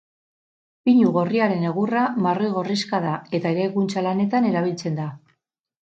Pinu gorriaren egurra marroi-gorrixka da eta eraikuntza lanetan erabiltzen da.